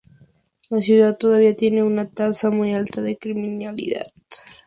La ciudad todavía tiene una tasa muy alta de criminalidad.